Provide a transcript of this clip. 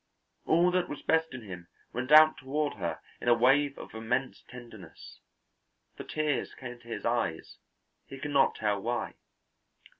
All that was best in him went out toward her in a wave of immense tenderness; the tears came to his eyes, he could not tell why.